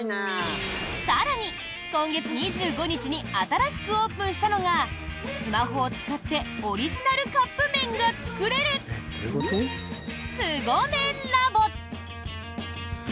更に、今月２５日に新しくオープンしたのがスマホを使ってオリジナルカップ麺が作れるスゴメンラボ。